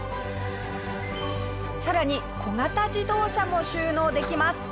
さらに小型自動車も収納できます。